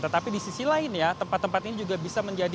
tetapi di sisi lain ya tempat tempat ini juga bisa menjadi